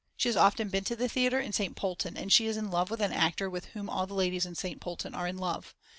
She has often been to the theatre in St. Polten and she is in love with an actor with whom all the ladies in St. Polten are in love.